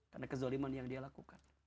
karena kezoliman yang dia lakukan